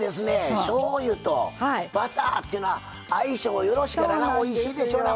しょうゆとバターっていうのは相性よろしいからなおいしいでしょうな。